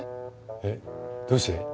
えっどうして？